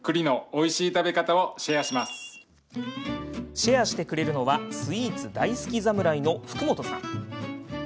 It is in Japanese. シェアしてくれるのはスイーツ大好き侍の福本さん。